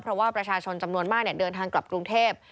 เพราะว่าประชาชนจำนวนมากเดินทางกลับกรุงเทพ